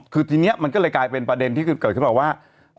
คือทีนี้มันก็เลยกลายเป็นประเด็นที่เกิดขึ้นมาว่า